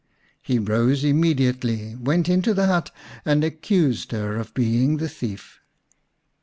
He rose immediately, went into the hut, and accused her of being the thief.